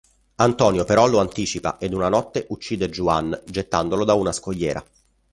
Antonio però lo anticipa ed una notte uccide Juan gettandolo da una scogliera.